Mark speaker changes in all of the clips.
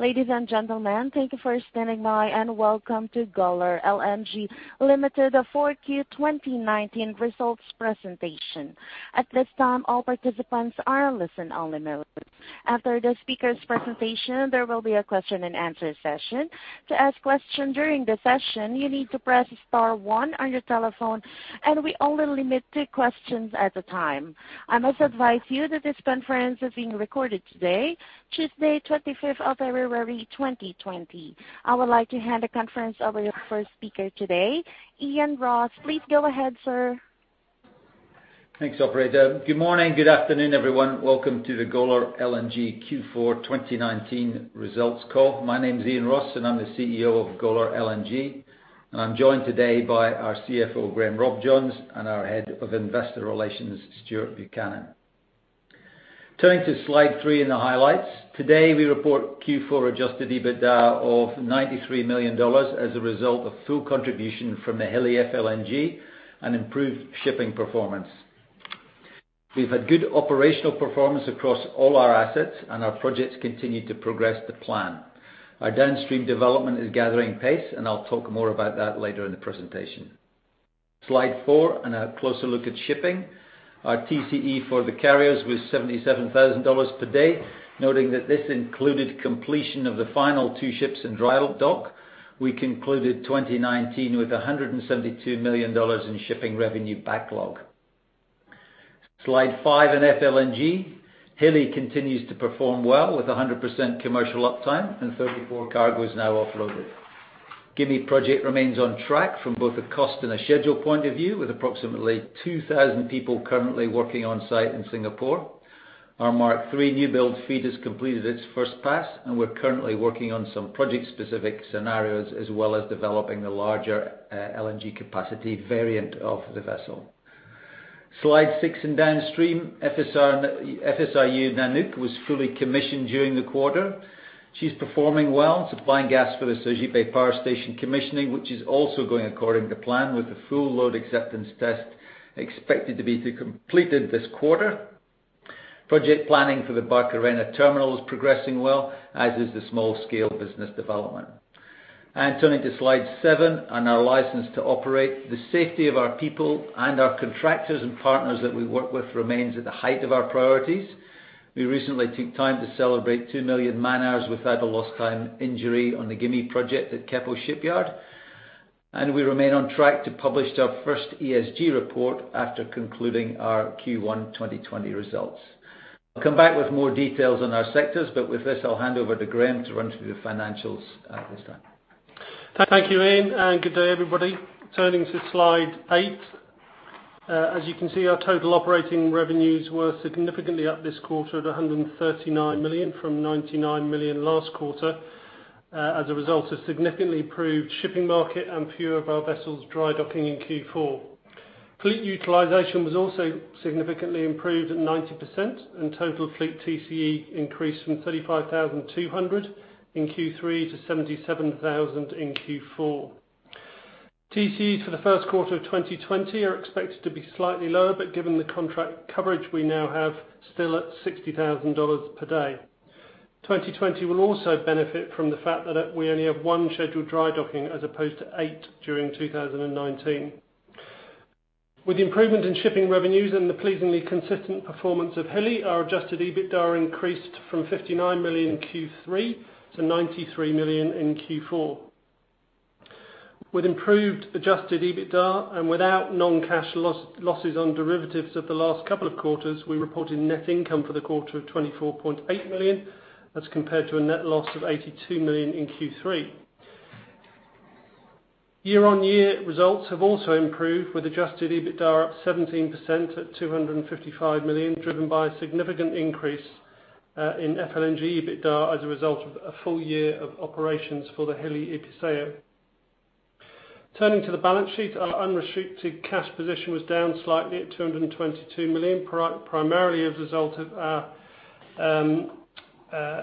Speaker 1: Ladies and gentlemen, thank you for standing by and welcome to Golar LNG Limited 4Q 2019 results presentation. At this time, all participants are listen-only mode. After the speaker's presentation, there will be a question-and-answer session. To ask questions during the session, you need to press star one on your telephone. We only limit two questions at a time. I must advise you that this conference is being recorded today, Tuesday, 25th of February 2020. I would like to hand the conference over to the first speaker today, Iain Ross. Please go ahead, sir.
Speaker 2: Thanks, operator. Good morning, good afternoon, everyone. Welcome to the Golar LNG Q4 2019 results call. My name is Iain Ross, and I'm the CEO of Golar LNG, and I'm joined today by our CFO, Graham Robjohns, and our Head of Investor Relations, Stuart Buchanan. Turning to slide three in the highlights. Today, we report Q4 adjusted EBITDA of $93 million as a result of full contribution from the Hilli FLNG and improved shipping performance. We've had good operational performance across all our assets, and our projects continue to progress the plan. Our downstream development is gathering pace, and I'll talk more about that later in the presentation. Slide four and a closer look at shipping. Our TCE for the carriers was $77,000 per day. Noting that this included completion of the final two ships in dry dock. We concluded 2019 with $172 million in shipping revenue backlog. Slide five in FLNG. Hilli continues to perform well with 100% commercial uptime and 34 cargoes now offloaded. Gimi project remains on track from both a cost and a schedule point of view, with approximately 2,000 people currently working on site in Singapore. Our Mark III new build FEED has completed its first pass, and we're currently working on some project specific scenarios, as well as developing a larger LNG capacity variant of the vessel. Slide six in downstream. FSRU Nanook was fully commissioned during the quarter. She's performing well, supplying gas for the Suai Power Station commissioning, which is also going according to plan with the full load acceptance test expected to be completed this quarter. Project planning for the Barcarena terminal is progressing well, as is the small scale business development. Turning to slide seven on our license to operate. The safety of our people and our contractors and partners that we work with remains at the height of our priorities. We recently took time to celebrate 2 million man-hours without a lost time injury on the Gimi project at Keppel Shipyard. We remain on track to publish our first ESG report after concluding our Q1 2020 results. I'll come back with more details on our sectors, but with this, I'll hand over to Graham to run through the financials at this time.
Speaker 3: Thank you, Iain, good day, everybody. Turning to slide eight. As you can see, our total operating revenues were significantly up this quarter at $139 million from $99 million last quarter, as a result of significantly improved shipping market and few of our vessels dry docking in Q4. Fleet utilization was also significantly improved at 90%, and total fleet TCE increased from $35,200 in Q3 to $77,000 in Q4. TCE for the first quarter of 2020 are expected to be slightly lower, but given the contract coverage we now have still at $60,000 per day. 2020 will also benefit from the fact that we only have one scheduled dry docking as opposed to eight during 2019. With the improvement in shipping revenues and the pleasingly consistent performance of Hilli, our adjusted EBITDA increased from $59 million in Q3 to $93 million in Q4. With improved adjusted EBITDA and without non-cash losses on derivatives of the last couple of quarters, we reported net income for the quarter of $24.8 million. That's compared to a net loss of $82 million in Q3. Year-on-year results have also improved with adjusted EBITDA up 17% at $255 million, driven by a significant increase in FLNG EBITDA as a result of a full year of operations for the Hilli Episeyo. Turning to the balance sheet. Our unrestricted cash position was down slightly at $222 million, primarily as a result of our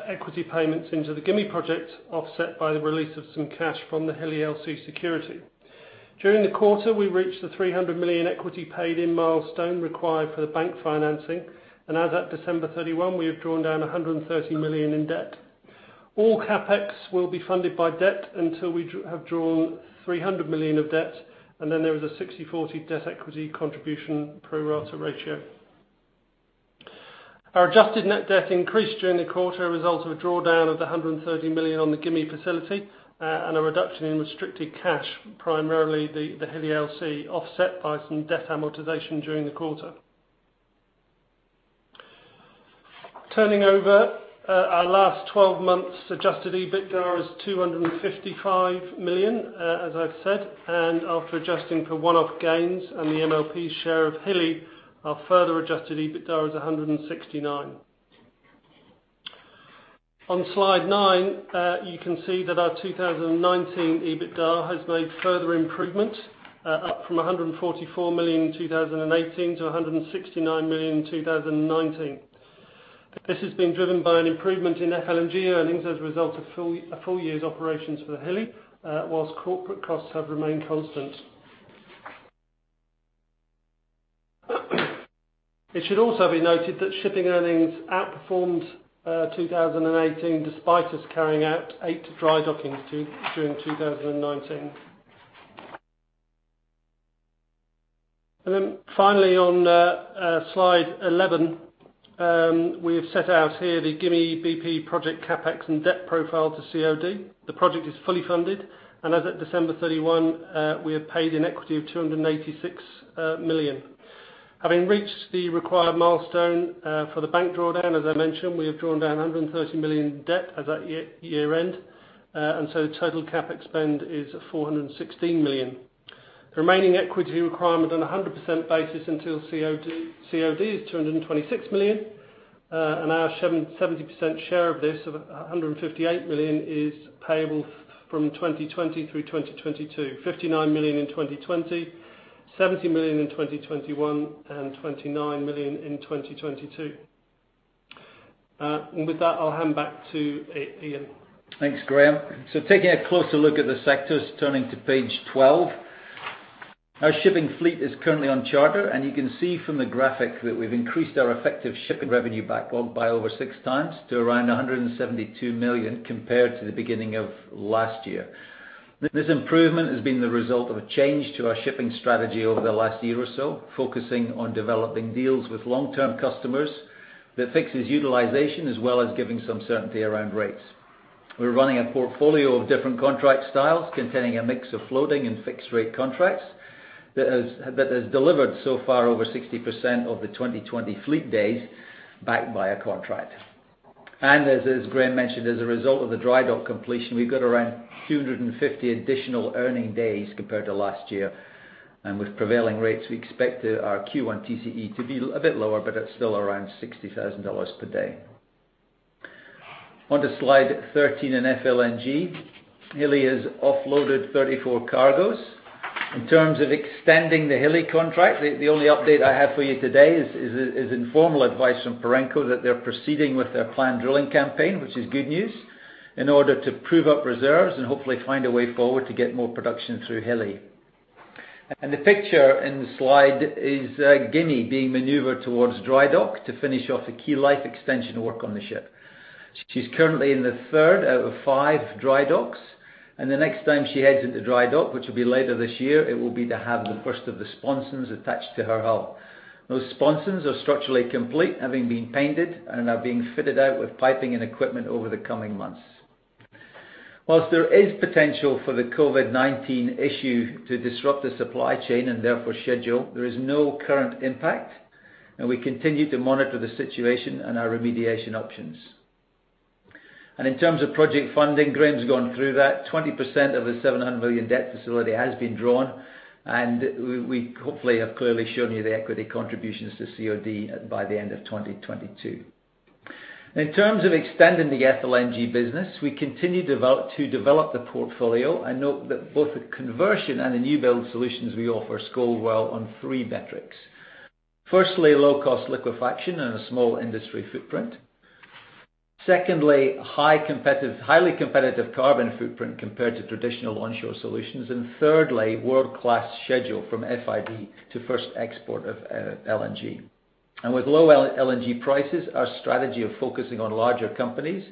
Speaker 3: equity payments into the Gimi project, offset by the release of some cash from the Hilli LC security. During the quarter, we reached the $300 million equity paid in milestone required for the bank financing, and as at December 31, we have drawn down $130 million in debt. All CapEx will be funded by debt until we have drawn $300 million of debt, and then there is a 60/40 debt equity contribution pro rata ratio. Our adjusted net debt increased during the quarter as a result of a drawdown of the $130 million on the Gimi facility and a reduction in restricted cash, primarily the Hilli LC offset by some debt amortization during the quarter. Turning over our last 12 months adjusted EBITDA is $255 million, as I've said, and after adjusting for one-off gains and the MLP share of Hilli, our further adjusted EBITDA is $169 million. On slide nine, you can see that our 2019 EBITDA has made further improvement, up from $144 million in 2018 to $169 million in 2019. This has been driven by an improvement in FLNG earnings as a result of a full year's operations for the Hilli, while corporate costs have remained constant. It should also be noted that shipping earnings outperformed 2018 despite us carrying out eight dry dockings during 2019. Finally on slide 11, we have set out here the Gimi BP project CapEx and debt profile to COD. The project is fully funded and as at December 31, we have paid an equity of $286 million. Having reached the required milestone for the bank drawdown, as I mentioned, we have drawn down $130 million in debt as at year-end, the total CapEx spend is $416 million. The remaining equity requirement on 100% basis until COD is $226 million, and our 70% share of this, of $158 million, is payable from 2020 through 2022, $59 million in 2020, $70 million in 2021, and $29 million in 2022. With that, I'll hand back to Iain.
Speaker 2: Thanks, Graham. Taking a closer look at the sectors, turning to page 12. Our shipping fleet is currently on charter, and you can see from the graphic that we've increased our effective shipping revenue backlog by over six times to around $172 million compared to the beginning of last year. This improvement has been the result of a change to our shipping strategy over the last year or so, focusing on developing deals with long-term customers that fixes utilization as well as giving some certainty around rates. We're running a portfolio of different contract styles containing a mix of floating and fixed rate contracts that has delivered so far over 60% of the 2020 fleet days backed by a contract. As Graham mentioned, as a result of the dry dock completion, we've got around 250 additional earning days compared to last year. With prevailing rates, we expect our Q1 TCE to be a bit lower, but it's still around $60,000 per day. On to slide 13 in FLNG. Hilli has offloaded 34 cargoes. In terms of extending the Hilli contract, the only update I have for you today is informal advice from Perenco that they're proceeding with their planned drilling campaign, which is good news, in order to prove up reserves and hopefully find a way forward to get more production through Hilli. The picture in the slide is Gimi being maneuvered towards dry dock to finish off the key life extension work on the ship. She's currently in the third out of five dry docks, and the next time she heads into dry dock, which will be later this year, it will be to have the first of the sponsons attached to her hull. Those sponsons are structurally complete, having been painted and are being fitted out with piping and equipment over the coming months. Whilst there is potential for the COVID-19 issue to disrupt the supply chain and therefore schedule, there is no current impact, and we continue to monitor the situation and our remediation options. In terms of project funding, Graham's gone through that. 20% of the $700 million debt facility has been drawn, and we hopefully have clearly shown you the equity contributions to COD by the end of 2022. In terms of extending the FLNG business, we continue to develop the portfolio and note that both the conversion and the new build solutions we offer score well on three metrics. Firstly, low-cost liquefaction and a small industry footprint. Secondly, highly competitive carbon footprint compared to traditional onshore solutions. Thirdly, world-class schedule from FID to first export of LNG. With low LNG prices, our strategy of focusing on larger companies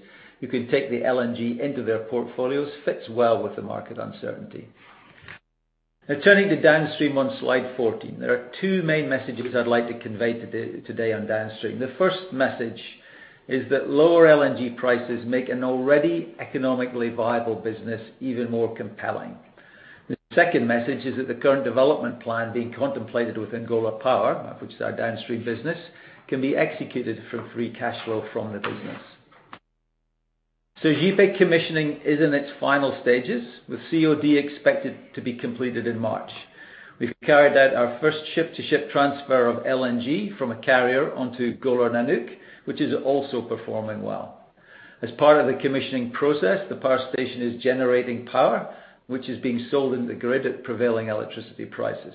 Speaker 2: who can take the LNG into their portfolios fits well with the market uncertainty. Now turning to Downstream on slide 14. There are two main messages I'd like to convey today on Downstream. The first message is that lower LNG prices make an already economically viable business even more compelling. The second message is that the current development plan being contemplated with Golar Power, which is our Downstream business, can be executed from free cash flow from the business. GPEG commissioning is in its final stages, with COD expected to be completed in March. We've carried out our first ship-to-ship transfer of LNG from a carrier onto Golar Nanook, which is also performing well. As part of the commissioning process, the power station is generating power, which is being sold in the grid at prevailing electricity prices.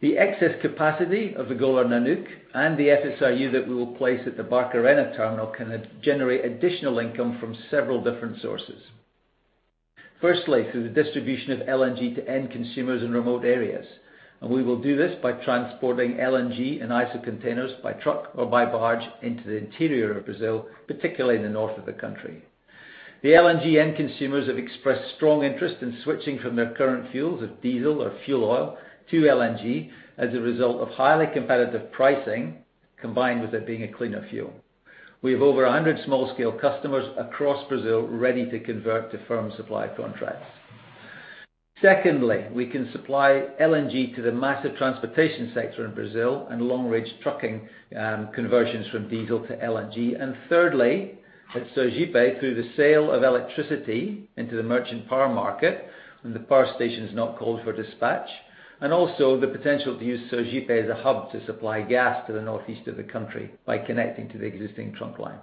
Speaker 2: The excess capacity of the Golar Nanook and the FSRU that we will place at the Barcarena terminal can generate additional income from several different sources. Firstly, through the distribution of LNG to end consumers in remote areas and we will do this by transporting LNG in ISO containers by truck or by barge into the interior of Brazil, particularly in the north of the country. The LNG end consumers have expressed strong interest in switching from their current fuels of diesel or fuel oil to LNG as a result of highly competitive pricing combined with it being a cleaner fuel. We have over 100 small-scale customers across Brazil ready to convert to firm supply contracts. Secondly, we can supply LNG to the massive transportation sector in Brazil and long-range trucking conversions from diesel to LNG. Thirdly, at Sergipe through the sale of electricity into the merchant power market when the power station is not called for dispatch, and also the potential to use Sergipe as a hub to supply gas to the northeast of the country by connecting to the existing trunk line.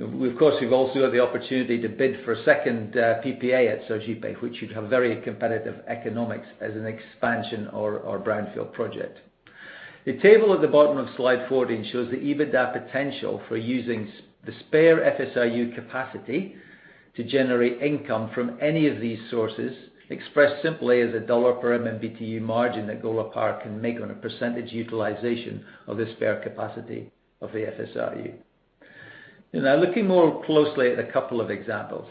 Speaker 2: Of course, we also have the opportunity to bid for a second PPA at Sergipe, which should have very competitive economics as an expansion or brownfield project. The table at the bottom of slide 14 shows the EBITDA potential for using the spare FSRU capacity to generate income from any of these sources, expressed simply as a $1 per MMBtu margin that Golar Power can make on a percentage utilization of the spare capacity of the FSRU. Looking more closely at a couple of examples.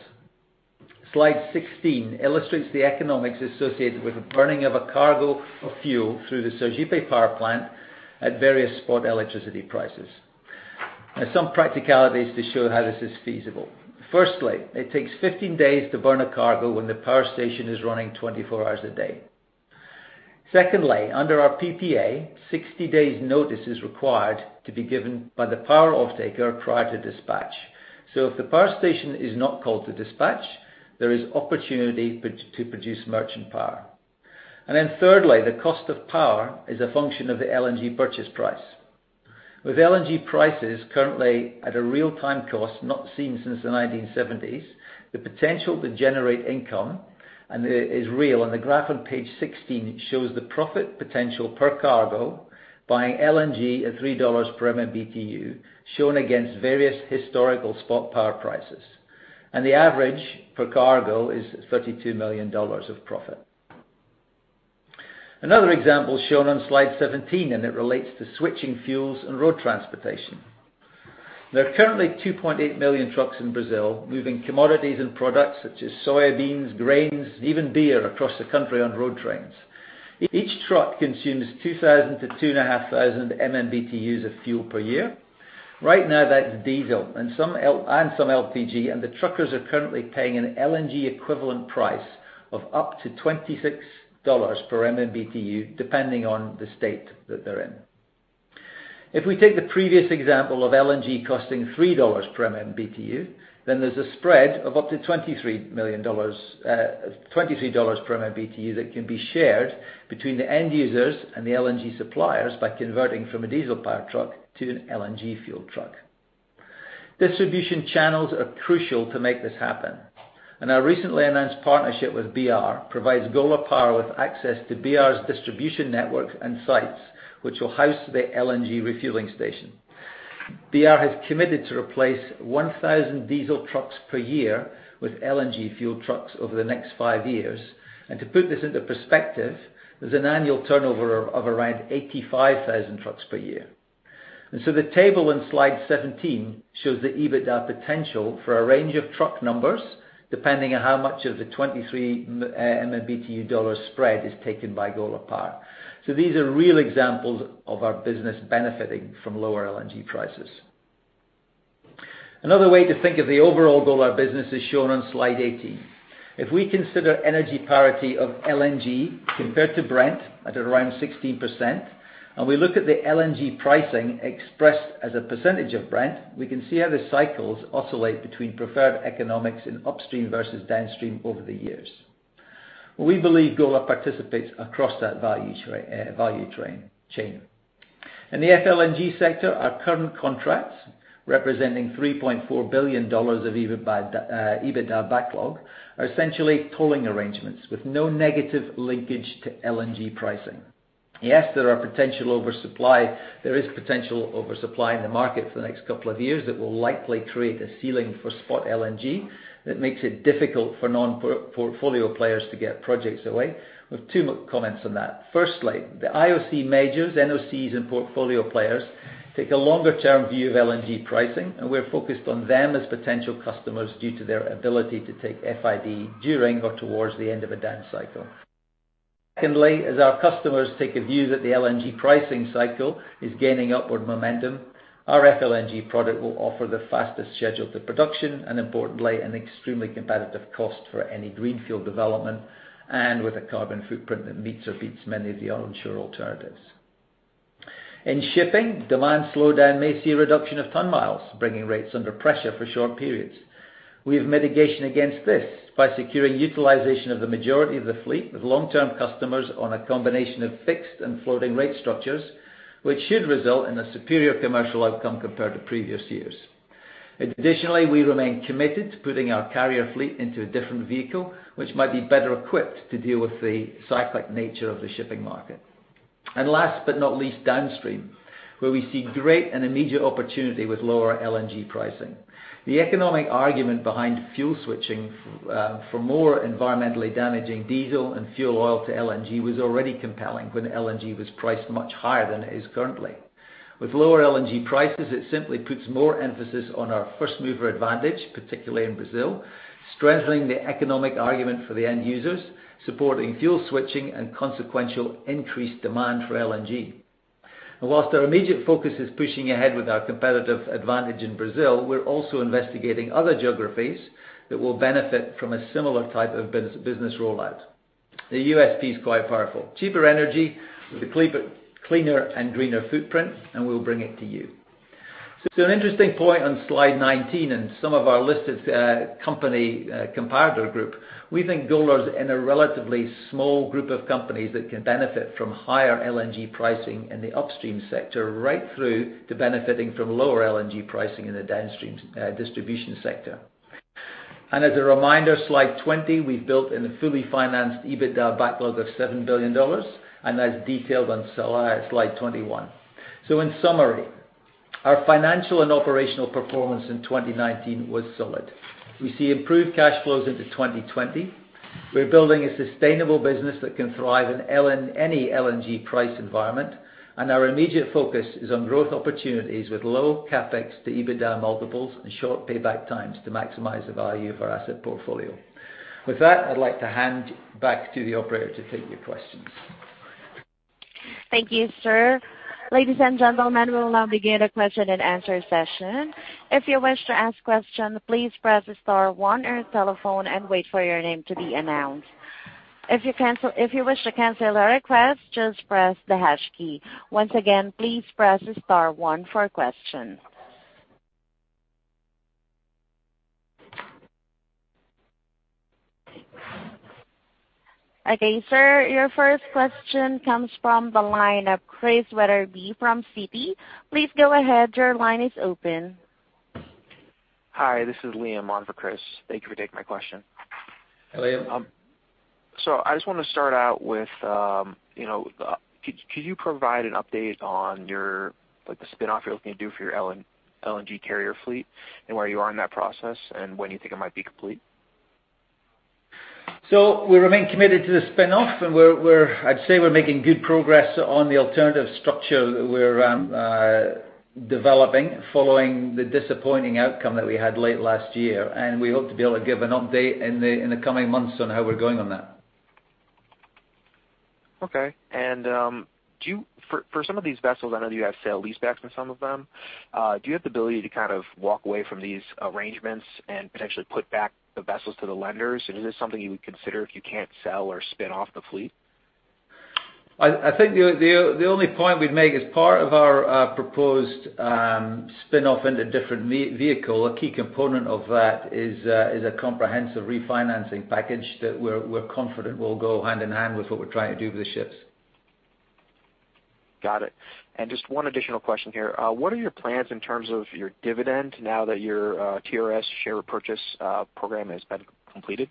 Speaker 2: Slide 16 illustrates the economics associated with the burning of a cargo of fuel through the Sergipe power plant at various spot electricity prices. Some practicalities to show how this is feasible. Firstly, it takes 15 days to burn a cargo when the power station is running 24 hours a day. Secondly, under our PPA, 60 days notice is required to be given by the power off-taker prior to dispatch. If the power station is not called to dispatch, there is opportunity to produce merchant power. Thirdly, the cost of power is a function of the LNG purchase price. With LNG prices currently at a real-time cost not seen since the 1970s, the potential to generate income is real. The graph on page 16 shows the profit potential per cargo buying LNG at $3 per MMBtu, shown against various historical spot power prices. The average per cargo is $32 million of profit. Another example shown on slide 17, it relates to switching fuels and road transportation. There are currently 2.8 million trucks in Brazil moving commodities and products such as soybeans, grains, even beer, across the country on road trains. Each truck consumes 2,000 to 2,500 MMBtus of fuel per year. Right now, that's diesel and some LPG. The truckers are currently paying an LNG equivalent price of up to $26 per MMBtu, depending on the state that they're in. If we take the previous example of LNG costing $3 per MMBtu, then there's a spread of up to $23 per MMBtu that can be shared between the end users and the LNG suppliers by converting from a diesel power truck to an LNG fuel truck. Distribution channels are crucial to make this happen, and our recently announced partnership with BR provides Golar Power with access to BR distribution network and sites, which will house the LNG refueling station. BR has committed to replace 1,000 diesel trucks per year with LNG fuel trucks over the next five years. To put this into perspective, there's an annual turnover of around 85,000 trucks per year. The table on slide 17 shows the EBITDA potential for a range of truck numbers, depending on how much of the $23 MMBtu spread is taken by Golar Power. These are real examples of our business benefiting from lower LNG prices. Another way to think of the overall Golar business is shown on slide 18. If we consider energy parity of LNG compared to Brent at around 16%, and we look at the LNG pricing expressed as a percentage of Brent, we can see how the cycles oscillate between preferred economics in upstream versus downstream over the years. We believe Golar participates across that value chain. In the FLNG sector, our current contracts, representing $3.4 billion of EBITDA backlog, are essentially tolling arrangements with no negative linkage to LNG pricing. Yes, there is potential oversupply in the market for the next couple of years that will likely create a ceiling for spot LNG that makes it difficult for non-portfolio players to get projects away. We have two comments on that. The IOC majors, NOCs, and portfolio players take a longer-term view of LNG pricing, and we're focused on them as potential customers due to their ability to take FID during or towards the end of a down cycle. As our customers take a view that the LNG pricing cycle is gaining upward momentum, our FLNG product will offer the fastest schedule to production and, importantly, an extremely competitive cost for any greenfield development, and with a carbon footprint that meets or beats many of the onshore alternatives. In shipping, demand slowdown may see a reduction of ton miles, bringing rates under pressure for short periods. We have mitigation against this by securing utilization of the majority of the fleet with long-term customers on a combination of fixed and floating rate structures, which should result in a superior commercial outcome compared to previous years. We remain committed to putting our carrier fleet into a different vehicle, which might be better equipped to deal with the cyclic nature of the shipping market. Last but not least, downstream, where we see great and immediate opportunity with lower LNG pricing. The economic argument behind fuel switching for more environmentally damaging diesel and fuel oil to LNG was already compelling when LNG was priced much higher than it is currently. With lower LNG prices, it simply puts more emphasis on our first-mover advantage, particularly in Brazil, strengthening the economic argument for the end users, supporting fuel switching and consequential increased demand for LNG. Whilst our immediate focus is pushing ahead with our competitive advantage in Brazil, we're also investigating other geographies that will benefit from a similar type of business rollout. The USP is quite powerful. Cheaper energy with a cleaner and greener footprint, and we'll bring it to you. An interesting point on slide 19, and some of our listed company comparator group. We think Golar's in a relatively small group of companies that can benefit from higher LNG pricing in the upstream sector, right through to benefiting from lower LNG pricing in the downstream distribution sector. As a reminder, slide 20, we've built in a fully financed EBITDA backlog of $7 billion, and that is detailed on slide 21. In summary, our financial and operational performance in 2019 was solid. We see improved cash flows into 2020. We're building a sustainable business that can thrive in any LNG price environment, and our immediate focus is on growth opportunities with low CapEx to EBITDA multiples and short payback times to maximize the value of our asset portfolio. With that, I'd like to hand back to the operator to take your questions.
Speaker 1: Thank you, sir. Ladies and gentlemen, we will now begin the question-and-answer session. If you wish to ask a question, please press star one on your telephone and wait for your name to be announced. If you wish to cancel a request, just press the hash key. Once again, please press star one for questions. Okay, sir, your first question comes from the line of Chris Wetherbee from Citi. Please go ahead. Your line is open.
Speaker 4: Hi, this is Liam on for Chris. Thank you for taking my question.
Speaker 2: Hi, Liam.
Speaker 4: I just want to start out with, could you provide an update on the spinoff you're looking to do for your LNG carrier fleet, and where you are in that process, and when you think it might be complete?
Speaker 2: We remain committed to the spinoff, and I'd say we're making good progress on the alternative structure that we're developing following the disappointing outcome that we had late last year. We hope to be able to give an update in the coming months on how we're going on that.
Speaker 4: Okay. For some of these vessels, I know you have sale-leasebacks on some of them. Do you have the ability to walk away from these arrangements and potentially put back the vessels to the lenders? Is this something you would consider if you can't sell or spin off the fleet?
Speaker 2: I think the only point we'd make as part of our proposed spinoff into a different vehicle, a key component of that is a comprehensive refinancing package that we're confident will go hand-in-hand with what we're trying to do with the ships.
Speaker 4: Got it. Just one additional question here. What are your plans in terms of your dividend now that your TRS share repurchase program has been completed?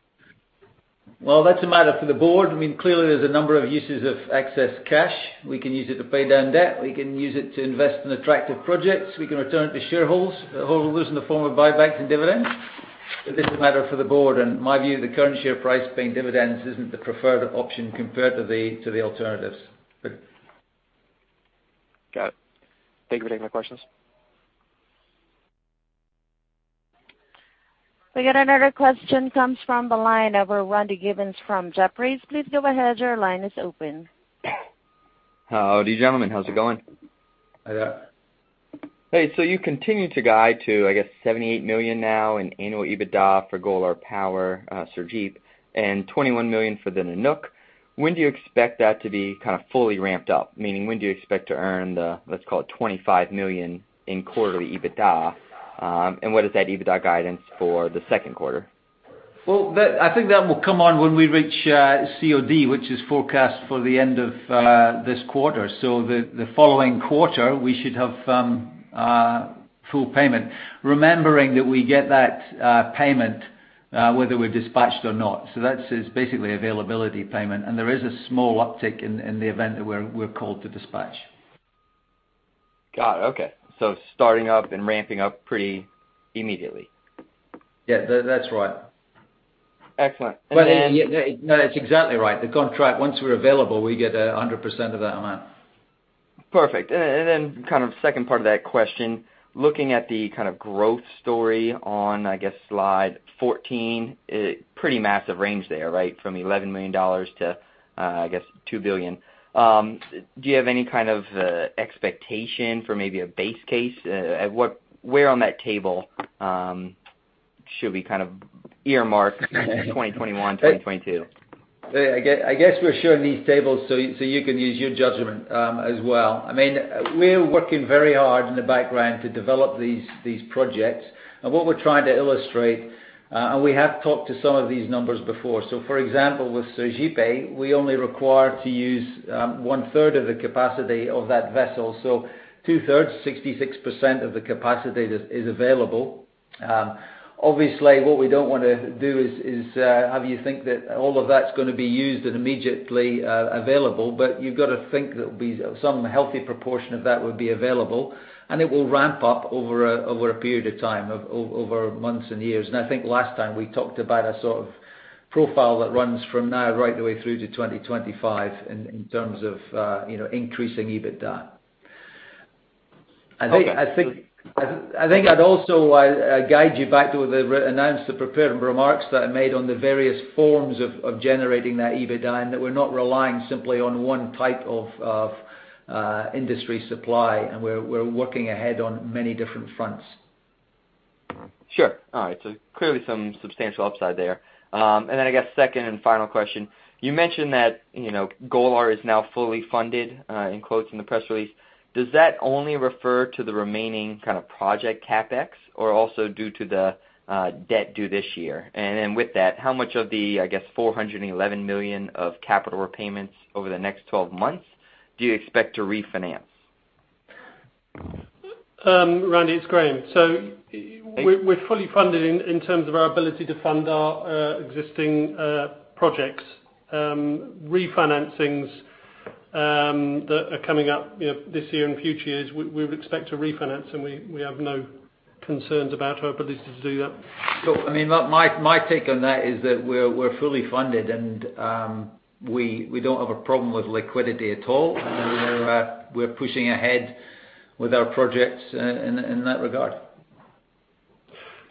Speaker 2: Well, that's a matter for the board. Clearly, there's a number of uses of excess cash. We can use it to pay down debt. We can use it to invest in attractive projects. We can return it to shareholders in the form of buybacks and dividends. This is a matter for the board, and in my view, the current share price paying dividends isn't the preferred option compared to the alternatives.
Speaker 4: Got it. Thank you for taking my questions.
Speaker 1: We got another question, comes from the line of Randy Giveans from Jefferies. Please go ahead, your line is open.
Speaker 5: Howdy, gentlemen. How's it going?
Speaker 2: Hi there.
Speaker 5: Hey, you continue to guide to, I guess, $78 million now in annual EBITDA for Golar Power, Sergipe, and $21 million for the Nanook. When do you expect that to be fully ramped up? Meaning, when do you expect to earn the, let's call it, $25 million in quarterly EBITDA? What is that EBITDA guidance for the second quarter?
Speaker 2: Well, I think that will come on when we reach COD, which is forecast for the end of this quarter. The following quarter, we should have full payment, remembering that we get that payment whether we've dispatched or not. That is basically availability payment, and there is a small uptick in the event that we're called to dispatch.
Speaker 5: Got it, okay. Starting up and ramping up pretty immediately.
Speaker 2: Yeah, that's right.
Speaker 5: Excellent.
Speaker 2: No, that's exactly right. The contract, once we're available, we get 100% of that amount.
Speaker 5: Perfect. Then second part of that question, looking at the growth story on, I guess, slide 14, pretty massive range there, right? From $11 million to, I guess, $2 billion. Do you have any kind of expectation for maybe a base case? Where on that table should we earmark 2021, 2022?
Speaker 2: I guess we're showing these tables so you can use your judgment as well. We're working very hard in the background to develop these projects, what we're trying to illustrate, and we have talked to some of these numbers before. For example, with Sergipe, we only require to use 1/3 of the capacity of that vessel, 2/3, 66% of the capacity is available. Obviously, what we don't want to do is have you think that all of that's going to be used and immediately available, you've got to think that some healthy proportion of that would be available, and it will ramp up over a period of time, over months and years. I think last time we talked about a sort of profile that runs from now right the way through to 2025 in terms of increasing EBITDA.
Speaker 5: Okay.
Speaker 2: I think I'd also guide you back to the announced prepared remarks that I made on the various forms of generating that EBITDA, and that we're not relying simply on one type of industry supply, and we're working ahead on many different fronts.
Speaker 5: Sure. All right. Clearly some substantial upside there. I guess second and final question, you mentioned that Golar is now fully funded, in quotes in the press release. Does that only refer to the remaining project CapEx? Or also due to the debt due this year? With that, how much of the, I guess, $411 million of capital repayments over the next 12 months do you expect to refinance?
Speaker 3: Randy, it's Graham.
Speaker 5: Hey.
Speaker 3: We're fully funded in terms of our ability to fund our existing projects. Refinancings that are coming up this year and future years, we would expect to refinance, and we have no concerns about our ability to do that.
Speaker 2: My take on that is that we're fully funded, and we don't have a problem with liquidity at all. We're pushing ahead with our projects in that regard.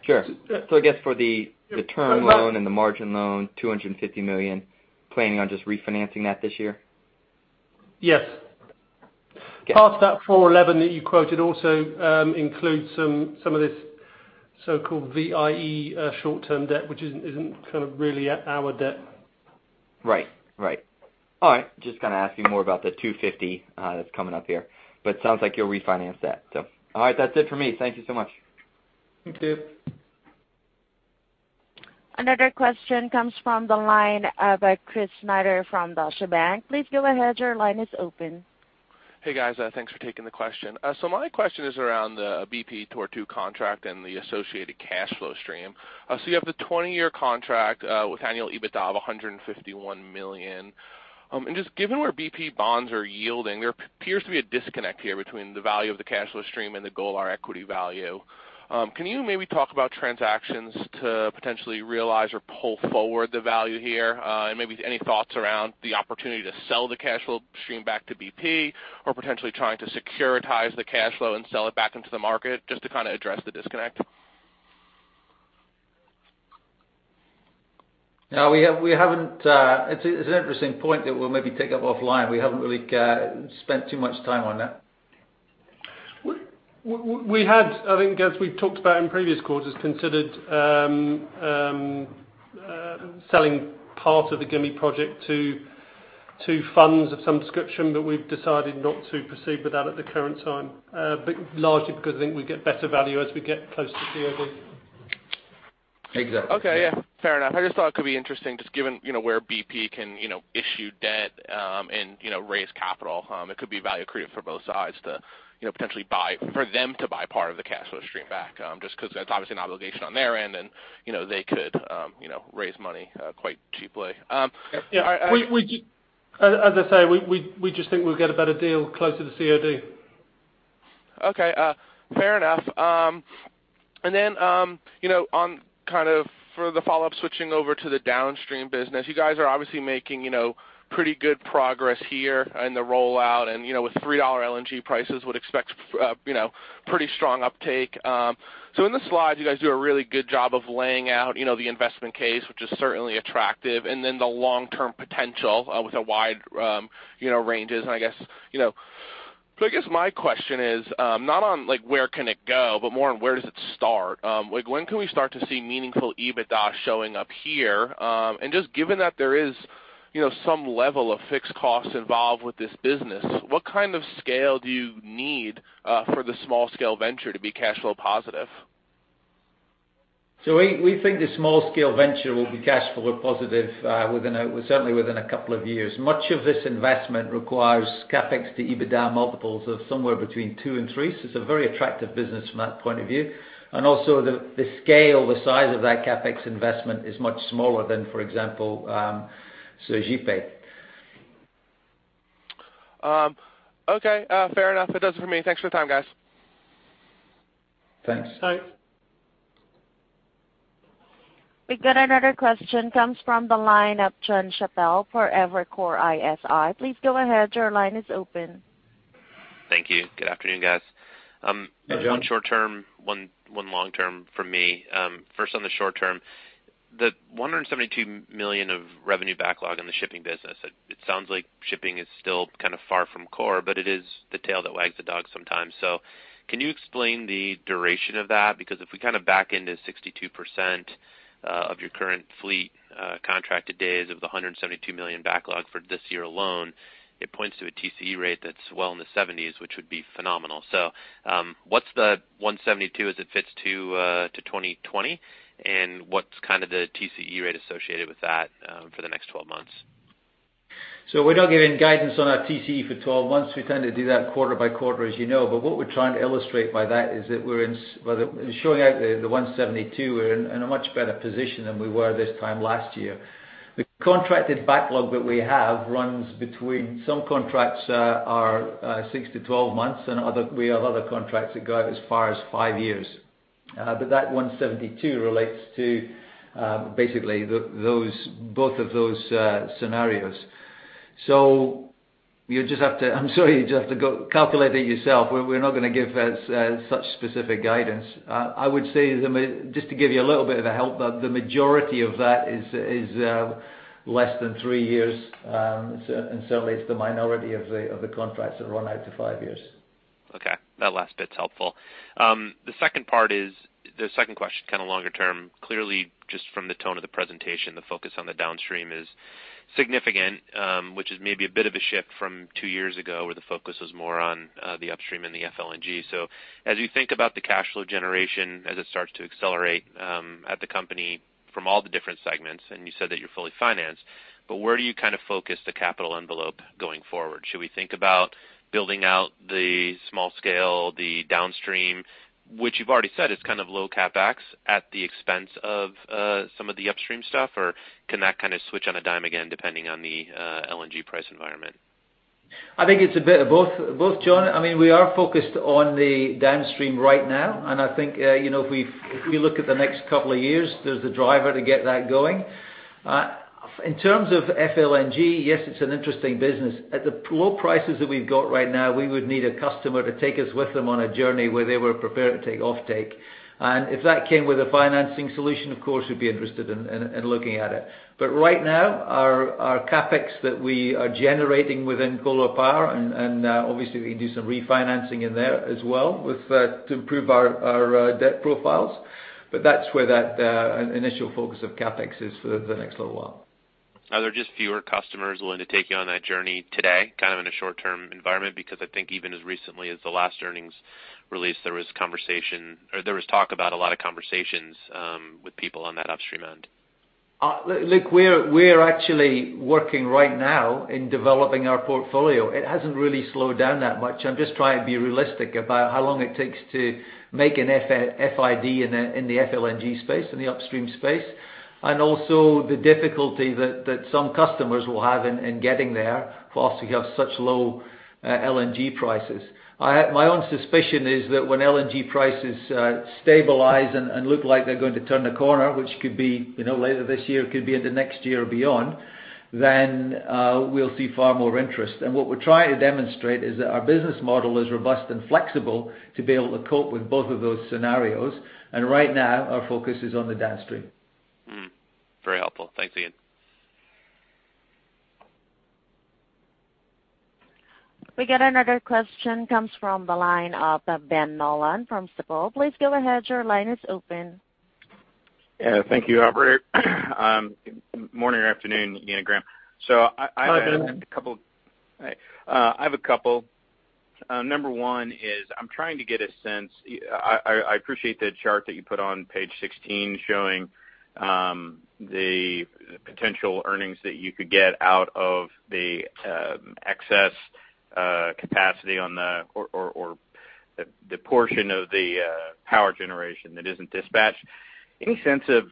Speaker 5: Sure. I guess for the term loan and the margin loan, $250 million, planning on just refinancing that this year?
Speaker 3: Yes.
Speaker 5: Okay.
Speaker 3: Part of that $411 that you quoted also includes some of this so-called VIE short-term debt, which isn't kind of really our debt.
Speaker 5: Right. All right. Just going to ask you more about the $250 that's coming up here, but sounds like you'll refinance that. All right, that's it for me. Thank you so much.
Speaker 3: Thank you.
Speaker 1: Another question comes from the line of Chris Snyder from Deutsche Bank. Please go ahead. Your line is open.
Speaker 6: Hey, guys. Thanks for taking the question. My question is around the BP Tortue contract and the associated cash flow stream. You have the 20-year contract with annual EBITDA of $151 million. Just given where BP bonds are yielding, there appears to be a disconnect here between the value of the cash flow stream and the Golar equity value. Can you maybe talk about transactions to potentially realize or pull forward the value here? Maybe any thoughts around the opportunity to sell the cash flow stream back to BP or potentially trying to securitize the cash flow and sell it back into the market, just to kind of address the disconnect?
Speaker 2: No. It's an interesting point that we'll maybe take up offline. We haven't really spent too much time on that.
Speaker 3: We had, I think as we've talked about in previous quarters, considered selling part of the Gimi project to funds of some description, but we've decided not to proceed with that at the current time. Largely because I think we get better value as we get closer to COD.
Speaker 2: Exactly.
Speaker 6: Okay. Yeah, fair enough. I just thought it could be interesting just given where BP can issue debt and raise capital. It could be value creative for both sides to potentially for them to buy part of the cash flow stream back just because that's obviously an obligation on their end, and they could raise money quite cheaply.
Speaker 3: As I say, we just think we'll get a better deal closer to COD.
Speaker 6: Okay. Fair enough. For the follow-up, switching over to the downstream business, you guys are obviously making pretty good progress here in the rollout, with $3 LNG prices would expect pretty strong uptake. In the slides, you guys do a really good job of laying out the investment case, which is certainly attractive, the long-term potential with the wide ranges. I guess my question is not on like where can it go, but more on where does it start? When can we start to see meaningful EBITDA showing up here? Just given that there is some level of fixed costs involved with this business, what kind of scale do you need for the small scale venture to be cash flow positive?
Speaker 2: We think the small scale venture will be cash flow positive certainly within a couple of years. Much of this investment requires CapEx to EBITDA multiples of somewhere between two and three. It's a very attractive business from that point of view. Also the scale, the size of that CapEx investment is much smaller than, for example, Sergipe.
Speaker 6: Okay. Fair enough. That does it for me. Thanks for the time, guys.
Speaker 2: Thanks.
Speaker 3: Thanks.
Speaker 1: We got another question, comes from the line of Jon Chappell, Evercore ISI. Please go ahead. Your line is open.
Speaker 7: Thank you. Good afternoon, guys.
Speaker 2: Hey, Jon.
Speaker 7: One short-term, one long-term from me. On the short-term, the $172 million of revenue backlog in the shipping business, it sounds like shipping is still kind of far from core, but it is the tail that wags the dog sometimes. Can you explain the duration of that? If we kind of back into 62% of your current fleet contracted days of the $172 million backlog for this year alone, it points to a TCE rate that's well in the 70s, which would be phenomenal. What's the $172 million as it fits to 2020? What's kind of the TCE rate associated with that for the next 12 months?
Speaker 2: We're not giving guidance on our TCE for 12 months. We tend to do that quarter by quarter, as you know. Well, showing out the $172 million, we're in a much better position than we were this time last year. The contracted backlog that we have runs between some contracts are 6-12 months, and we have other contracts that go out as far as five years. That $172 million relates to basically both of those scenarios. You just have to, I'm sorry, you just have to go calculate it yourself. We're not going to give such specific guidance. I would say, just to give you a little bit of a help, the majority of that is less than three years. Certainly it's the minority of the contracts that run out to five years.
Speaker 7: Okay. That last bit's helpful. The second part is, the second question, kind of longer-term. Clearly, just from the tone of the presentation, the focus on the downstream is significant, which is maybe a bit of a shift from two years ago where the focus was more on the upstream and the FLNG. As you think about the cash flow generation, as it starts to accelerate at the company from all the different segments, and you said that you're fully financed, but where do you kind of focus the capital envelope going forward? Should we think about building out the small scale, the downstream, which you've already said is kind of low CapEx at the expense of some of the upstream stuff, or can that kind of switch on a dime again, depending on the LNG price environment?
Speaker 2: I think it's a bit of both, Jon. We are focused on the downstream right now, and I think if we look at the next couple of years, there's the driver to get that going. In terms of FLNG, yes, it's an interesting business. At the low prices that we've got right now, we would need a customer to take us with them on a journey where they were prepared to take off-take. If that came with a financing solution, of course, we'd be interested in looking at it. Right now, our CapEx that we are generating within Golar Power, and obviously we can do some refinancing in there as well to improve our debt profiles. That's where that initial focus of CapEx is for the next little while.
Speaker 7: Are there just fewer customers willing to take you on that journey today, kind of in a short-term environment? I think even as recently as the last earnings release, there was conversation, or there was talk about a lot of conversations with people on that upstream end.
Speaker 2: Look, we're actually working right now in developing our portfolio. It hasn't really slowed down that much. I'm just trying to be realistic about how long it takes to make an FID in the FLNG space, in the upstream space, and also the difficulty that some customers will have in getting there whilst we have such low LNG prices. My own suspicion is that when LNG prices stabilize and look like they're going to turn a corner, which could be later this year, could be into next year or beyond, then we'll see far more interest. What we're trying to demonstrate is that our business model is robust and flexible to be able to cope with both of those scenarios. Right now, our focus is on the downstream.
Speaker 7: Very helpful. Thanks, Iain.
Speaker 1: We get another question, comes from the line of Ben Nolan from Stifel. Please go ahead. Your line is open.
Speaker 8: Yeah, thank you, operator. Morning or afternoon, Iain and Graham.
Speaker 2: Morning, Ben.
Speaker 8: I have a couple. Number one is I'm trying to get a sense. I appreciate the chart that you put on page 16 showing the potential earnings that you could get out of the excess capacity or the portion of the power generation that isn't dispatched. Any sense of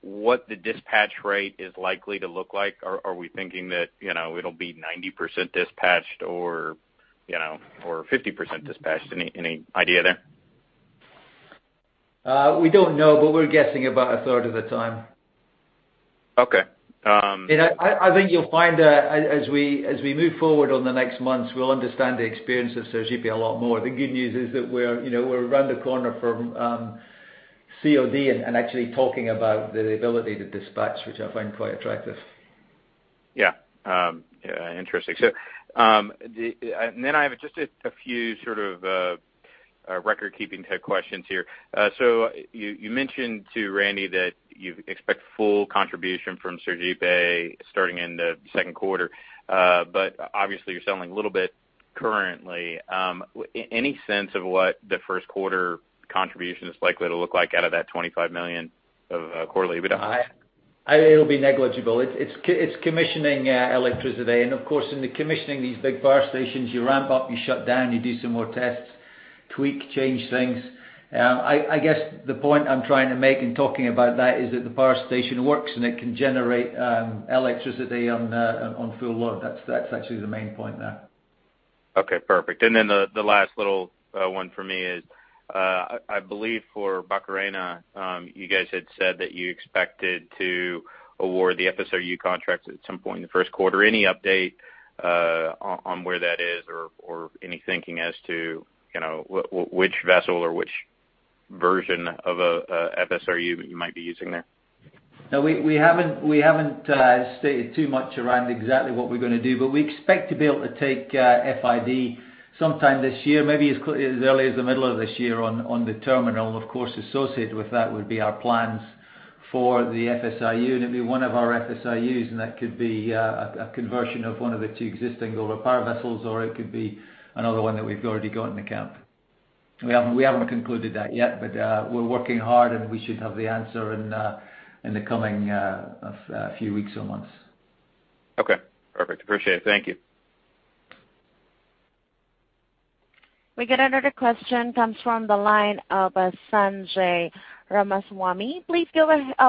Speaker 8: what the dispatch rate is likely to look like? Are we thinking that it'll be 90% dispatched or 50% dispatched? Any idea there?
Speaker 2: We don't know, but we're guessing about a third of the time.
Speaker 8: Okay.
Speaker 2: I think you'll find that as we move forward on the next months, we'll understand the experience of Sergipe a lot more. The good news is that we're around the corner from COD and actually talking about the ability to dispatch, which I find quite attractive.
Speaker 8: Yeah. Interesting. I have just a few sort of record-keeping type questions here. You mentioned to Randy that you expect full contribution from Sergipe starting in the second quarter. Obviously you're selling a little bit currently. Any sense of what the first-quarter contribution is likely to look like out of that $25 million of quarterly EBITDA?
Speaker 2: It'll be negligible. It's commissioning electricity. Of course, in the commissioning these big power stations, you ramp up, you shut down, you do some more tests, tweak, change things. I guess the point I'm trying to make in talking about that is that the power station works, and it can generate electricity on full load. That's actually the main point there.
Speaker 8: Okay, perfect. The last little one for me is, I believe for Barcarena, you guys had said that you expected to award the FSRU contract at some point in the first quarter. Any update on where that is or any thinking as to which vessel or which version of a FSRU you might be using there?
Speaker 2: No, we haven't stated too much around exactly what we're going to do. We expect to be able to take FID sometime this year, maybe as early as the middle of this year on the terminal. Of course, associated with that would be our plans for the FSRU. It'd be one of our FSRUs. That could be a conversion of one of the two existing Golar Power vessels, or it could be another one that we've already got in the camp. We haven't concluded that yet. We're working hard, and we should have the answer in the coming few weeks or months.
Speaker 8: Okay, perfect. Appreciate it. Thank you.
Speaker 1: We get another question, comes from the line of Sanjay Ramaswamy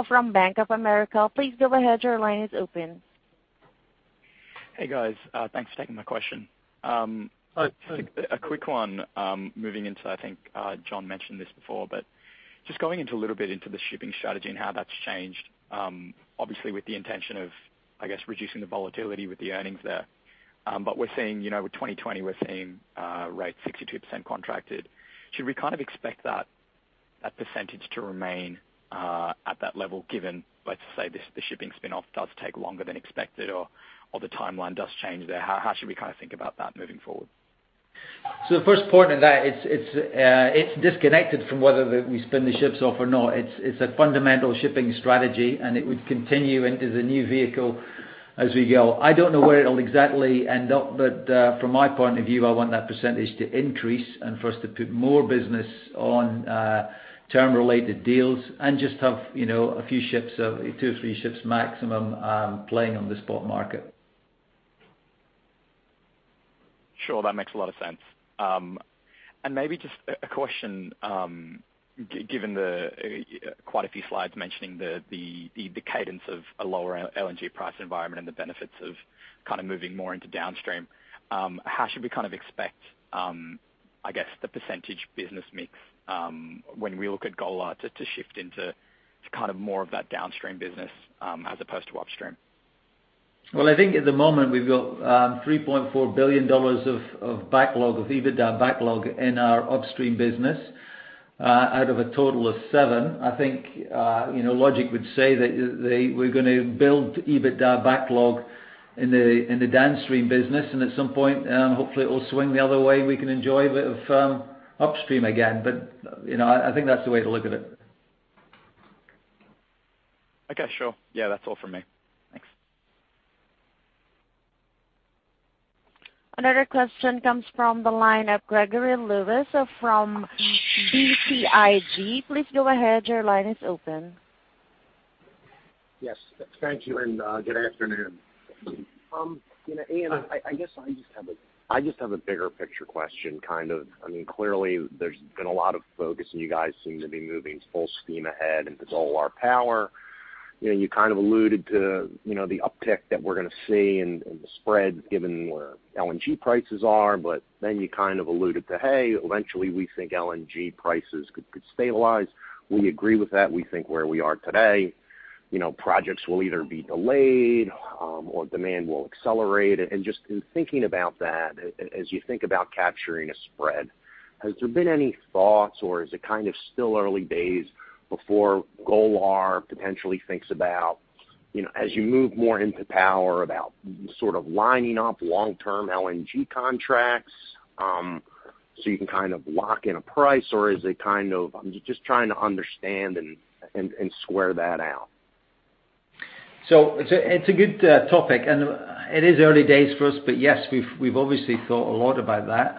Speaker 1: from Bank of America. Please go ahead. Your line is open.
Speaker 9: Hey, guys. Thanks for taking my question.
Speaker 2: Hi.
Speaker 9: A quick one, moving into, I think Jon mentioned this before, but just going into a little bit into the shipping strategy and how that's changed. Obviously with the intention of, I guess, reducing the volatility with the earnings there. We're seeing with 2020, we're seeing rates 62% contracted. Should we kind of expect that percentage to remain at that level given, let's say, the shipping spin-off does take longer than expected or the timeline does change there? How should we think about that moving forward?
Speaker 2: The first point of that, it's disconnected from whether we spin the ships off or not. It's a fundamental shipping strategy, and it would continue into the new vehicle as we go. I don't know where it'll exactly end up, but from my point of view, I want that percentage to increase and for us to put more business on term-related deals and just have a few ships, two or three ships maximum, playing on the spot market.
Speaker 9: Sure. That makes a lot of sense. Maybe just a question, given quite a few slides mentioning the cadence of a lower LNG price environment and the benefits of moving more into downstream. How should we expect, I guess the percentage business mix, when we look at Golar to shift into more of that downstream business, as opposed to upstream?
Speaker 2: I think at the moment we've got $3.4 billion of EBITDA backlog in our upstream business, out of a total of seven. I think logic would say that we're going to build EBITDA backlog in the downstream business, and at some point, hopefully it will swing the other way and we can enjoy a bit of upstream again. I think that's the way to look at it.
Speaker 9: Okay. Sure. Yeah, that's all from me. Thanks.
Speaker 1: Another question comes from the line of Gregory Lewis from BTIG. Please go ahead. Your line is open.
Speaker 10: Yes. Thank you, and good afternoon. Iain, I guess I just have a bigger picture question. Clearly, there's been a lot of focus, and you guys seem to be moving full steam ahead into Golar Power. You kind of alluded to the uptick that we're going to see and the spreads given where LNG prices are, but then you kind of alluded to, "Hey, eventually we think LNG prices could stabilize. We agree with that. We think where we are today, projects will either be delayed, or demand will accelerate." Just in thinking about that, as you think about capturing a spread, has there been any thoughts, or is it still early days before Golar potentially thinks about, as you move more into power, about sort of lining up long-term LNG contracts, so you can lock in a price? I'm just trying to understand and square that out.
Speaker 2: It's a good topic, and it is early days for us. Yes, we've obviously thought a lot about that.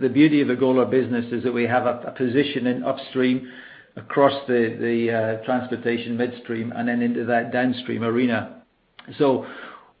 Speaker 2: The beauty of the Golar business is that we have a position in upstream across the transportation midstream and then into that downstream arena.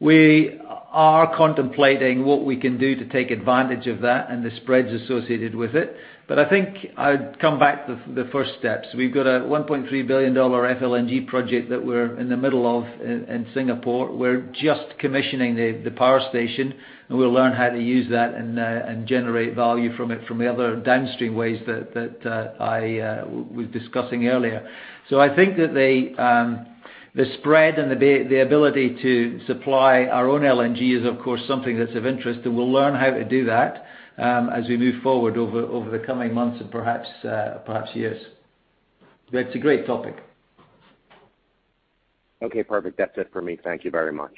Speaker 2: We are contemplating what we can do to take advantage of that and the spreads associated with it. I think I'd come back to the first steps. We've got a $1.3 billion FLNG project that we're in the middle of in Singapore. We're just commissioning the power station, and we'll learn how to use that and generate value from it from the other downstream ways that I was discussing earlier. I think that the spread and the ability to supply our own LNG is, of course, something that's of interest, and we'll learn how to do that, as we move forward over the coming months and perhaps years. It's a great topic.
Speaker 10: Okay, perfect. That's it for me. Thank you very much.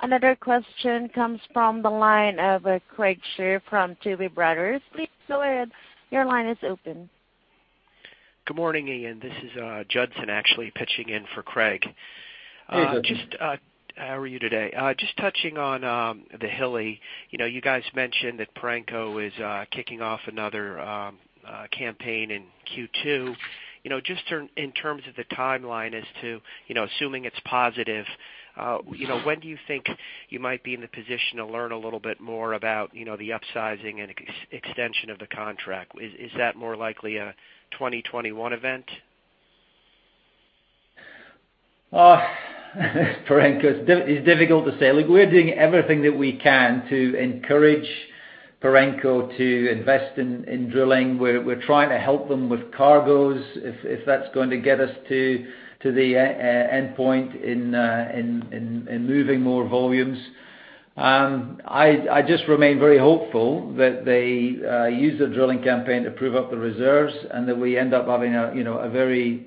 Speaker 1: Another question comes from the line of Craig Shere from Tuohy Brothers. Please go ahead. Your line is open.
Speaker 11: Good morning, Iain. This is Judson actually pitching in for Craig.
Speaker 2: Hey, Judson.
Speaker 11: How are you today? Just touching on the Hilli. You guys mentioned that Perenco is kicking off another campaign in Q2. Just in terms of the timeline as to, assuming it's positive, when do you think you might be in the position to learn a little bit more about the upsizing and extension of the contract? Is that more likely a 2021 event?
Speaker 2: Oh Perenco. It's difficult to say. Look, we're doing everything that we can to encourage Perenco to invest in drilling. We're trying to help them with cargoes, if that's going to get us to the endpoint in moving more volumes. I just remain very hopeful that they use the drilling campaign to prove up the reserves, that we end up having a very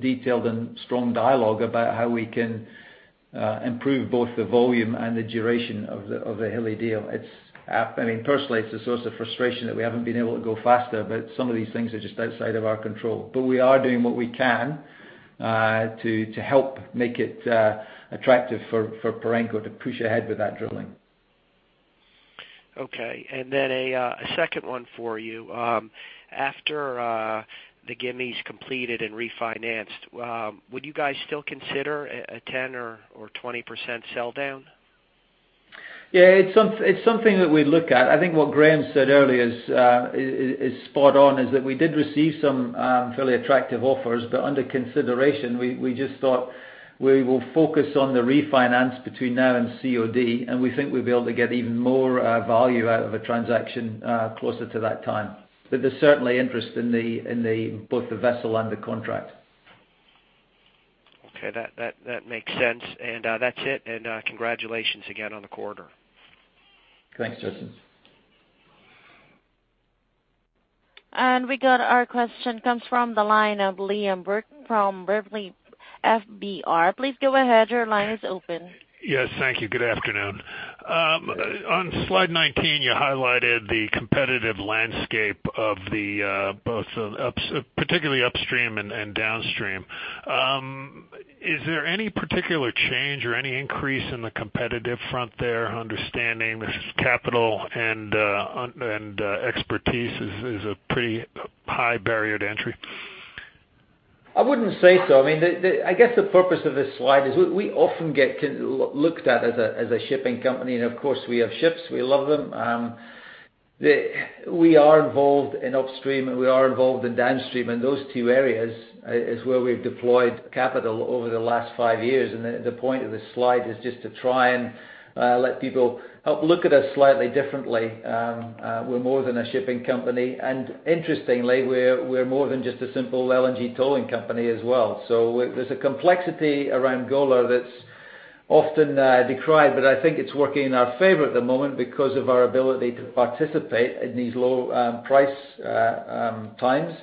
Speaker 2: detailed and strong dialogue about how we can improve both the volume and the duration of the Hilli deal. Personally, it's a source of frustration that we haven't been able to go faster, some of these things are just outside of our control. We are doing what we can, to help make it attractive for Perenco to push ahead with that drilling.
Speaker 11: Okay. A second one for you. After the Gimi is completed and refinanced, would you guys still consider a 10% or 20% sell down?
Speaker 2: Yeah, it's something that we look at. I think what Graham said earlier is spot on, is that we did receive some fairly attractive offers, but under consideration, we just thought we will focus on the refinance between now and COD, and we think we'll be able to get even more value out of a transaction closer to that time. There's certainly interest in both the vessel and the contract.
Speaker 11: Okay. That makes sense. That's it. Congratulations again on the quarter.
Speaker 2: Thanks, Judson.
Speaker 1: We got our question comes from the line of Liam Burke from B. Riley FBR. Please go ahead. Your line is open.
Speaker 12: Yes. Thank you. Good afternoon. On slide 19, you highlighted the competitive landscape of both particularly upstream and downstream. Is there any particular change or any increase in the competitive front there, understanding this is capital and expertise is a pretty high barrier to entry?
Speaker 2: I wouldn't say so. I guess the purpose of this slide is we often get looked at as a shipping company. Of course we have ships. We love them. We are involved in upstream. We are involved in downstream. Those two areas is where we've deployed capital over the last five years. The point of this slide is just to try and let people help look at us slightly differently. We're more than a shipping company. Interestingly, we're more than just a simple LNG towing company as well. There's a complexity around Golar that's often decried, but I think it's working in our favor at the moment because of our ability to participate in these low price times.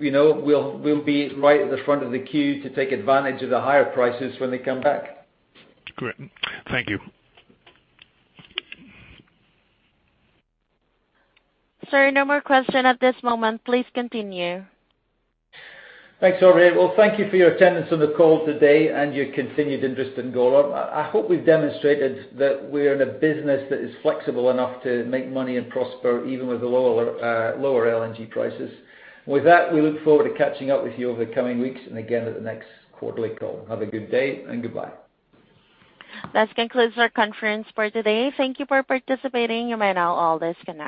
Speaker 2: We'll be right at the front of the queue to take advantage of the higher prices when they come back.
Speaker 12: Great. Thank you.
Speaker 1: Sir, no more question at this moment. Please continue.
Speaker 2: Thanks, Aubrey. Well, thank you for your attendance on the call today and your continued interest in Golar. I hope we've demonstrated that we're in a business that is flexible enough to make money and prosper even with the lower LNG prices. With that, we look forward to catching up with you over the coming weeks and again at the next quarterly call. Have a good day, and goodbye.
Speaker 1: This concludes our conference for today. Thank you for participating. You may now all disconnect.